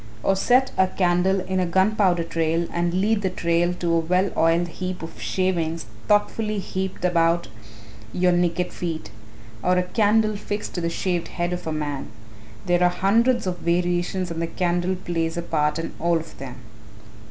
Or set a candle in a gunpowder trail and lead the trail to a well oiled heap of shavings thoughtfully heaped about your naked feet. Or a candle fixed to the shaved head of a man there are hundreds of variations and the candle plays a part in all of them.